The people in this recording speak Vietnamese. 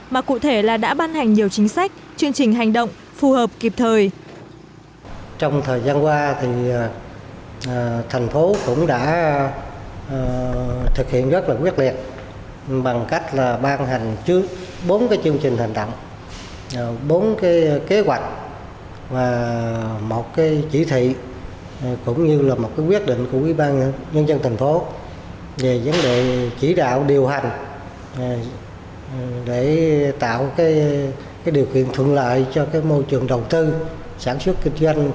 mà cụ thể là đã ban hành nhiều chính sách chương trình hành động phù hợp kịp thời